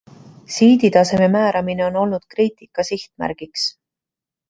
Siiditaseme määramine on olnud kriitika sihtmärgiks.